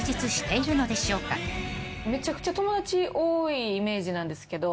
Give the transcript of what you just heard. めちゃくちゃ友達多いイメージなんですけど。